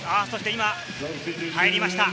今、入りました。